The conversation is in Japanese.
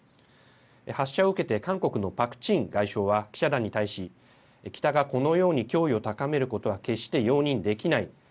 発射を受けて韓国のパク・チン外相は、記者団に対し、北がこのように脅威を高めることは決して容認できない。